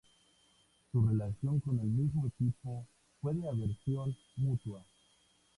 Su relación con el mismo equipo fue de aversión mutua.